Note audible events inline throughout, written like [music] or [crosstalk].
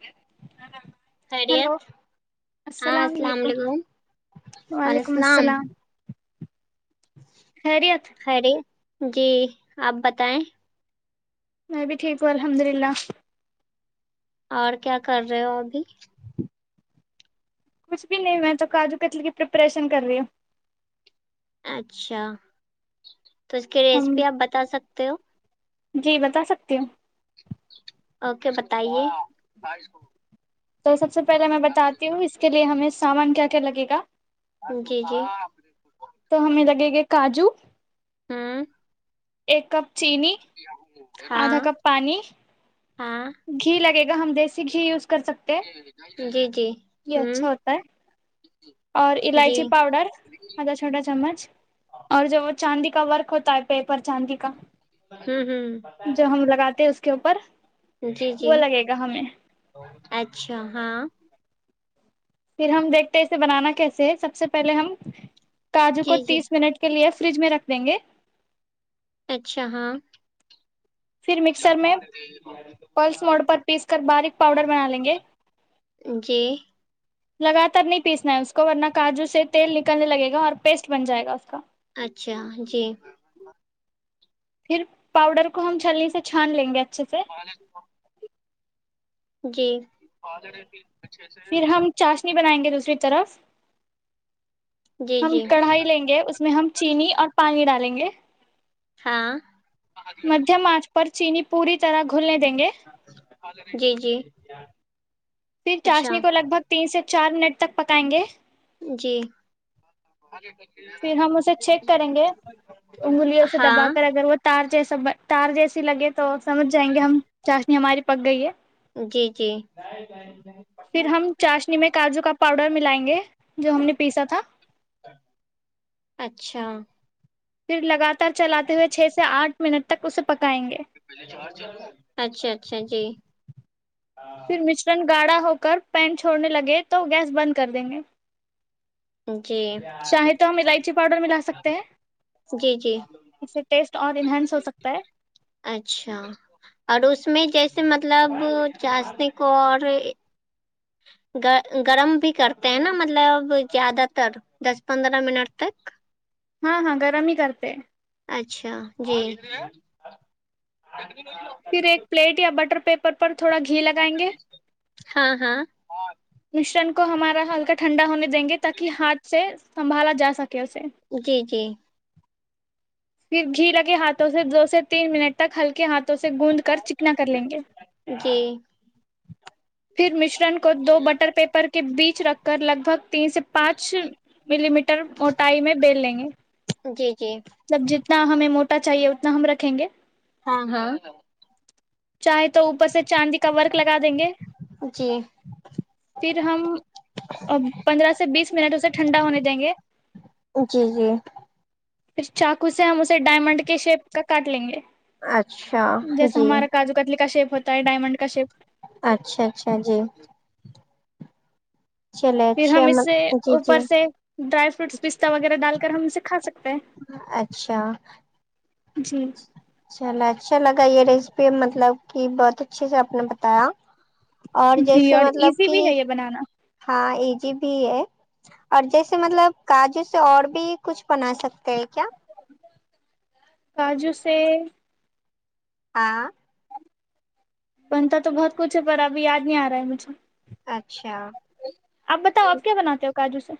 ہ [unintelligible] ہیلو خیریت السلام علیکم وعلیکم السلام خیریت خیری جی آپ بتائیں میں بھی ٹھیک ہوں الحمد للہ اور کیا کر رہے ہو اپ بھی کچھ بھی نہیں میں تو کاجو کطلی کی پرریپریشن کر رہی ہوں اچھا تو اس کی ریسیپی آپ ہم بتا سکتے ہو جی بتا سکتی ہوں اوکے بتائیے تو سب سے پہلے میں بتاتی ہوں اس کے لیے ہمیں سامان کیا کیا لگے گا جی جی تو ہمیں لگے گے کاجو ہمم ایک کپ چینی آدھا ہاں کپ پانی ہاں گھی لگے گا ہم دیسی گھی یوز کر سکتے ہیں جی جی یہ ہوں اچھا ہوتا ہے اور الائچی جی پاؤڈر چھوٹا چمچ اور جو وہ چاندی کا ورک ہوتا ہے پیپر چاندی کا ہوں ہوں جو ہم لگاتے ہیں اس کے اوپر جی جی وہ لگے گا ہمیں اچھا ہاں پھر ہم دیکھتے اسے بنانا کیسے ہے سب سے پہلے ہم کاجو کو جی جی تیس منٹ کے لیے فریج میں رکھ دیں گے اچھا ہاں پھر مکسر میں پلس موڈ پر پیس کر باریک پاؤڈر بنا لیں گے جی لگاتار نہیں پیسنا ہے اس کو ورنہ کاجو سے تیل نکلنے لگے گا اور پیسٹ بن جائے گا اس کا اچھا جی پھر پاؤڈر کو ہم چھلنی سے چھان لیں گے اچھے سے [unintelligible] جی پھر ہم چاشنی بنائیں گے دوسری طرف جی ہم جی کڑھائی لیں گے اس میں ہم چینی اور پانی ڈالیں گے ہاں مدھیم ارچ پر چینی پوری طرح گھلنے دیں گے جی جی پھر اچھا چاشنی کو لگ بھگ تین سے چار منٹ تک پکائیں گے جی پھر ہم اسے چیک کریں گے انگلیوں سے ہاں دبا کر اگر وہ تار جیسا تار جیسی لگے تو سمجھ جائیں گے ہم چاشنی ہماری پک گئی ہے جی جی پھر ہم چاشنی میں کاجو کا پاؤڈر ملائیں گے جو ہم نے پیسا تھا اچھا پھر لگاتار چلاتے ہوئے چھ سے آٹھ منٹ تک اسے پکائیں گے اچھا اچھا جی پھر مشرن گاڑھا ہو کر پین چھوڑنے لگے تو گیس بند کر دیں گے جی چاہے تو ہم الائچی پاؤڈر ملا سکتے ہیں جی جی اس سے ٹیسٹ اور انہینس ہو سکتا ہے اچھا اور اس میں جیسے مطلب چاشنی کو اور گ گرم بھی کرتے ہیں نا مطلب زیادہ تر دس پندرہ منٹ تک ہاں ہاں گرم ہی کرتے اچھا جی پھر ایک پلیٹ یا بٹر پیپر پر تھوڑا گھی لگائیں گے ہاں ہاں مشرن کو ہمارا ہلکا ٹھنڈا ہونے دیں گے تاکہ ہاتھ سے سنبھالا جا سکے اسے جی جی پھر گھی لگے ہاتھوں سے دو سے تین منٹ تک ہلکے ہاتھ سے گوند کر چکنا کر لیں گے جی پھر مشرن کو دو بٹر پیپر کے بیچ رکھ کر لگ بھگ تین سے پانچ ملی میٹر موٹائی میں بیل لیں گے جی جی مطلب جتنا ہمیں موٹا چاہئے اتنا ہم رکھیں گے ہاں ہاں چاہے تو اوپر سے چاندی کا ورق لگا دیں گے جی پھر ہم پندرہ سے بیس منٹ اسے ٹھنڈا ہونے دیں گے جی جی پھر چاقو سے ہم اسے ڈائمنڈ کے شیپ کا کاٹ لیں گے اچھا جیسے جی ہمارا کاجو کتلی کا شیپ ہوتا ہے ڈائمنڈ کا شیپ اچھا اچھا جی چلے پھر اچھے ہم اسے جی جی اوپر سے ڈرائی فروٹس پستتہ وغیرہ ڈال کر ہم اسے کھا سکتے ہیں اچھا جی چلے اچھا لگا یہ ریسیپی مطلب کہ بہت اچھے سے آپ نے بتایا اور جی جیسے اور مطلب ایزی کہ بھی ہے یہ بنانا ہاں ای جی بھی ہے اور جیسے مطلب کاجو سے اور بھی کچھ بنا سکتے ہیں کیا کاجو سے آں بنتا تو بہت کچھ ہے پر ابھی یاد نہیں آ رہا ہے مجھے اچھا آپ بتاؤ آپ کیا بناتے ہو کاجو سے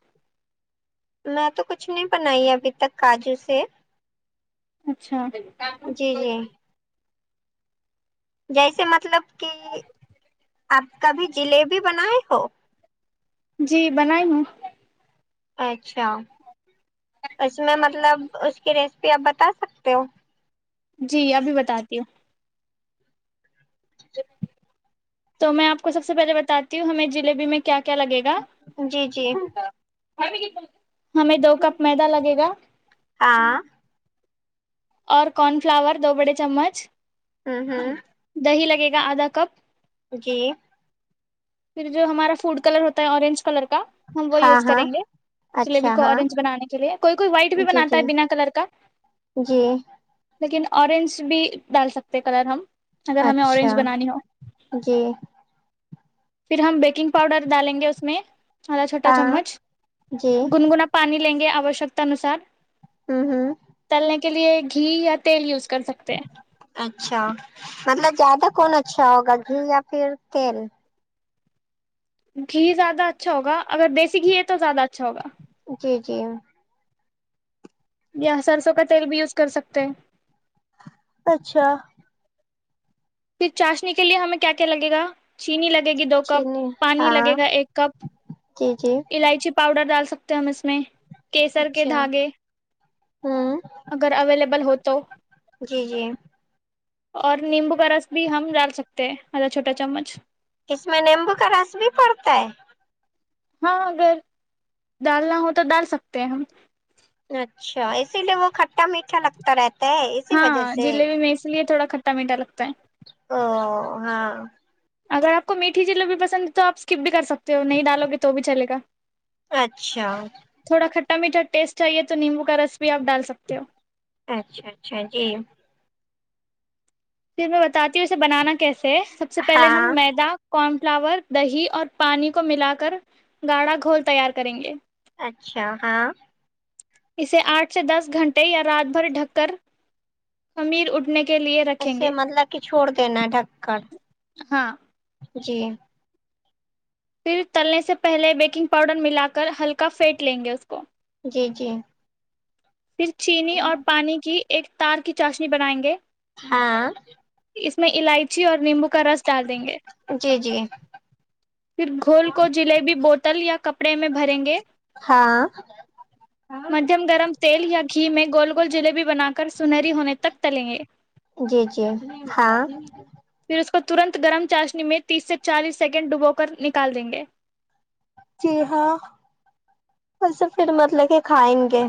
میں تو کچھ نہیں بنائی ابھی تک کاجو سے اچھا جی جی جیسے مطلب کہ آپ کبھی جلیبی بنائے ہو جی بنائی ہوں اچھا اس میں مطلب اس کی ریسیپی آپ بتا سکتے ہو جی ابھی بتاتی ہوں تو میں آپ کو سب سے پہلے بتاتی ہوں ہمیں جلیبی میں کیا کیا لگے گا جی جی ہمیں دو کپ میدا لگے گا آں اور کارن فلاور دو بڑے چمچ ہوں ہوں دہی لگے گا آدھا کپ جی پھر جو ہمارا فوڈ کلر ہوتا ہے اورنج کلر کا ہم وہ ہاں یوز کریں ہاں گے جلیبی اچھا کو ہاں آرنج بنانے کےلئے کوئی کوئی وائٹ بھی جی بناتا جی ہے بنا کلر کا جی لیکن آرنج بھی ڈال سکتے کلر ہم اگر ہمیں اچھا اورینج بنانی ہو جی پھر ہم بیکنگ پاؤڈر ڈالیں گے اس میں آدھا چھوٹا ہاں چمچ جی گن گنا پانی لیں گے آوشکتا ا نوسار ہوں ہوں تلنے کے لیے گھی یا تیل یوز کر سکتے اچھا مطلب زیادہ کون اچھا ہوگا گھی یا پھر تیل گھی زیادہ اچھا ہوگا اگر د یسی گھی ہے تو زیادہ اچھا ہوگا جی جی یا سرسوں کا تیل بھی یوز کر سکتے اچھا پھر چاشنی کے لیے ہمیں کیا کیا لگے گا چینی لگے گی دو کپ چینی پانی لگے ہاں گا ایک کپ جی جی الائچی پاؤڈر ڈال سکتے ہیں ہم اس میں کیسر کے اچھا دھاگے ہوں اگر اویلیبل ہو تو جی جی اور نیمبو کا رس بھی ہم ڈال سکتے ہیں آدھا چھوٹا چمچ اس میں نیمبو کا رس بھی پڑتا ہے ہاں اگر دالنا ہو تو ڈال سکتے ہیں ہم اچھا اسی لیے وہ کھٹا میٹھا لگتا رہتا ہے اسی ہاں وجہ سے جلیبی میں اس لیے تھوڑا کھٹا میٹھا لگتا ہے او ہاں اگر آپ کو میٹھی جلیبی پسند ہے تو آپ اسکپ بھی کر سکتے ہو نہیں ڈالو گے تو بھی چلے گا اچھا تھوڑا کھٹا میھٹا ٹیسٹ چاہیے تو نمبو کا رس بھی آپ ڈال سکتے ہو اچھا اچھا جی پھر میں بتاتی ہوں اسے بنانا کیسے ہے سب سے پہلے ہاں ہم میدا کارن فلاور دہی اور پانی کو ملا کر گاڑھا گھول تیار کریں گے اچھا ہاں اسے آٹھ سے دس گھنٹے یا رات بھر ڈھک کر خمیر اٹھنے کے لیے رہ اسے مطلب کہ چھوڑ دینا ڈھک کر ہاں جی پھر تلنے سے پہلے بیکنگ پاؤڈر ملا کر ہلکا فھینٹ لیں گے اس کو جی جی پھر چینی اور پانی کی ایک تار کی چاشنی بنائیں گے ہاں اس میں الائچی اور نیمبو کا رس ڈال دیں گے جی جی پھر گھول کو جلیبی بوتل یا کپڑے میں بھریں گے ہاں مدھیم گرم تیل یا گھی میں گول گول جلیبی بنا کر سنہری ہونے تک تلیں گے جی جی ہاں پھر اس کو ترنت گرم چاشنی میں تیس سے چالیس سیکنڈ ڈبو کر نکال دیں گے چی ہاں کل سے پھر مطلب کے کھائیں گے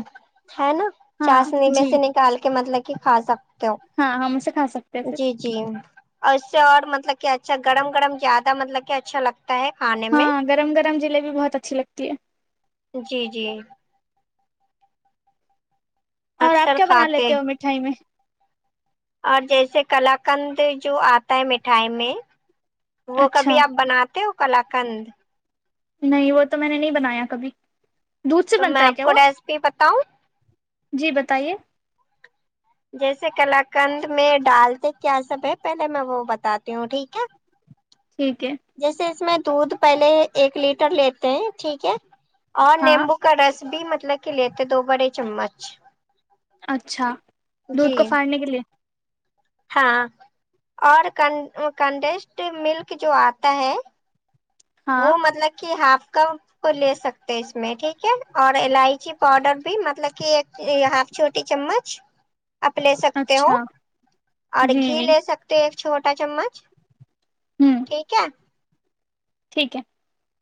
ہے نا ہاں چاشنی میں جی سے نکال کے مطلب کہ کھا سک ہاں ہم اسے کھا سکتے ہیں پھر جی اور اس سے اور مطلب کہ اچھا گڑم گڑم زیادہ مطلب کہ اچھا لگتا ہے کھا [unintelligible] نا ہاں گرم گرم جلیبی بہت اچھی لگتی ہے جی جی اور آپ اکثر کیا بنا کھاتے لیتے ہو مٹھائی میں اور جیسے کلاکند جو آتا ہے مٹھائی میں وہ کبھی اچھا آپ بناتے ہو کلاکند نہیں وہ تو میں نے نہیں بنایا کبھی دودھ سے تو میں بنتا ہے آپ کیا کو وہ ریس پی بتاؤں جی بتائیے جیسے کلاکند میں ڈالتے کیا سب ہے پہلے میں وہ بتاتی ہوں ٹھیک ہے ٹھیک ہے جیسے اس میں دودھ پہلے ایک لیٹر لیتے ہیں ٹھیک ہے اور ہاں نیمبو کا رس بھی مطلب کہ لیتے دو بڑے چمچ اچھا دودھ کو جی پھاڑنے کے لیے ہاں اور ک کنڈسڈ ملک جو آتا ہے ہاں وہ مطلب کہ ہاف کا کو لے سکتے اس میں ٹھیک ہے اور الائچی پاؤڈر بھی مطلب کہ ایک ہاف چھوٹی چمچ آپ لے سکتے ہو اچھا اور جی گھی جی لے سک ایک چھوٹا چمچ ہوں ٹھیک ہے ٹھیک ہے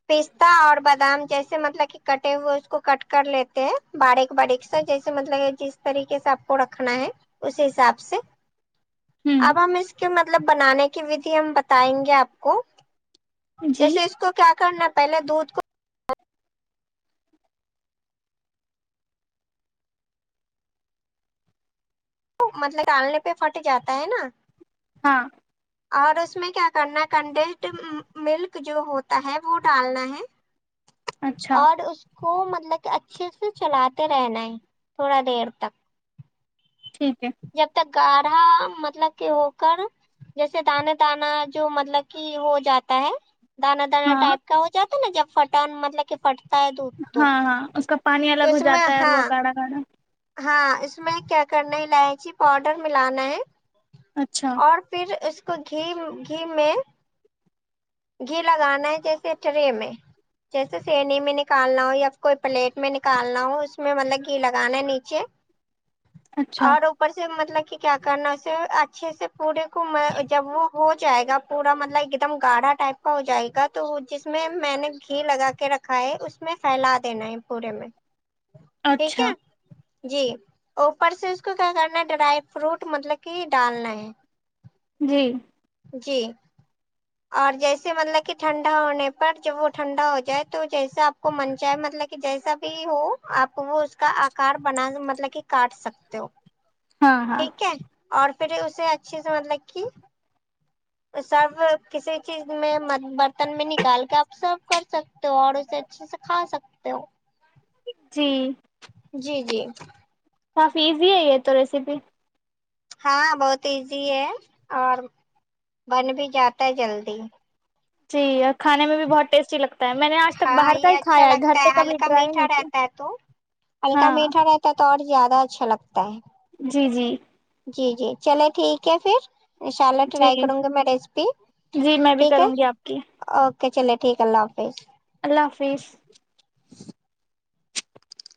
پستتا اور بادام جیسے مطلب کہ کٹے ہوئے اس کو کٹ کر لیتے ہیں باریک باریک جیسے مطلب جس طریقے سے آپ کو رکھنا ہے اس حساب سے اب ہوں ہم اس کے مطلب بنانے کی ودھی ہم بتائیں گے آپ کو جی جیسے اس کو کیا کرنا پہلے دودھ کو مطلب کہ آلنے پہ پھٹ جاتا ہے نا ہاں اور اس میں کیا کرنا کنڈینسڈ ملک جو ہوتا ہے وہ ڈالنا ہے اچھا اور اس کو مطلب کہ اچھے سے چلاتے رہنا ہے تھوڑا دیر تک ٹھیک ہے جب تک گاڑھا مطلب کہ ہو کر جیسے دانا دانا جو مطلب کہ ہو جاتا ہے دانا دانا ہاں ٹائپ کا ہو جاتا ہے نا جب پٹان مطلب کہ پٹ پھٹتا دودھ تو ہاں ہاں اس کا پانی الگ ہو اس میں جاتا ہے اور ہاں وہ گاڑھا گاڑھا ہاں اس میں کیا کرنا الائچی پاؤڈر ملانا ہے اچھا اور پھر اس کو گھی گھی میں گھی لگانا ہے جیسے ٹرے میں جیسے سینی میں نکالنا ہو یا کوئی پلیٹ میں نکالنا ہو اس میں مطلب گھی لگانا ہے نیچے اچھا اور اوپر سے مطلب کہ کیا کرنا ہے اس اچھے سے پورے کو جب وہ ہو جائے گا پورا مطلب ایک دم گاڑھا ٹائپ کا ہو جائے گا تو جس میں میں نے گھی لگا کے رکھ رکھا ہے اس میں پھیلا دینا ہے پورے میں ٹھیک ہے اچھا جی اوپر سے اس کو کیا کرنا ہے ڈرائی فروٹ مطلب کہ ڈالنا ہے جی جی اور جیسے مطلب کہ ٹھنڈا ہونے پر جب وہ ٹھنڈا ہو جائے تو جیسے آپ کو من جائے مطلب کہ کہ جیسا بھی ہو آپ وہ اس کا آکار بنا مطلب کہ کاٹ سکتے ہو ہاں ہاں ٹھیک ہے اور پھر اسے اچھے سے مطلب کہ سرب کسی چیز میں برتن میں نکال کے آپ سرو کر سکتے ہو اور اسے اچ اسے کھا سکتے ہو جی جی جی کافی ایزی ہے یہ تو ریسیپی ہاں بہت ایزی ہے اور بن بھی جاتا ہے جلدی جی اور کھانے میں بھی بہت ٹیسٹی لگ میں نے آج تک ہاں باہر کا یہ ہی اچھا کھایا ہے گھر لگتا پہ کبھی ہلکا ٹرائی نہیں میٹھا کیا رہتا ہے تو ہلکا ہاں میٹھا رہتا تو اور زیادہ اچھا لگتا ہے جی جی جی جی چلے ٹھیک ہے پھر انشاء اللہ جی ٹرائی کروں گی میں ریسیپی جی میں بھی ٹھیک ہے کروں گی آپ کی اوکے چلے ٹھیک ہے اللہ حافظ اللہ حافظ